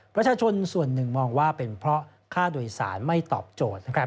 ประชาชนส่วนหนึ่งมองว่าเป็นเพราะค่าโดยสารไม่ตอบโจทย์